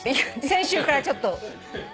先週からちょっと。